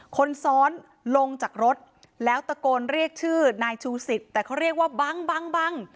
คนซ้อนลงจากรถแล้วตะโกนเรียกชื่อนายชูศิษย์แต่เขาเรียกว่าบังบัง